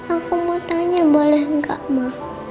aku mau tanya boleh gak ma